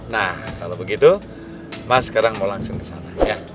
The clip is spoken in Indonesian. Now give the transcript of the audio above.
nah kalo begitu mas sekarang mau langsung kesana